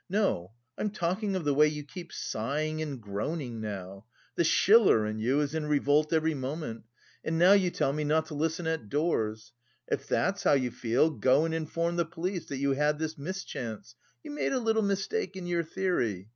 No, I'm talking of the way you keep sighing and groaning now. The Schiller in you is in revolt every moment, and now you tell me not to listen at doors. If that's how you feel, go and inform the police that you had this mischance: you made a little mistake in your theory.